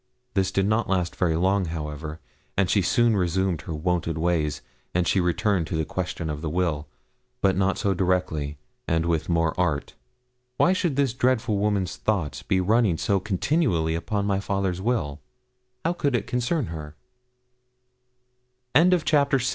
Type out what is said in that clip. This did not last very long, however, and she soon resumed her wonted ways. And she returned to the question of the will, but not so directly, and with more art. Why should this dreadful woman's thoughts be running so continually upon my father's will? How could it concern her? CHAPTER VII CHURCH SCARSDALE I think al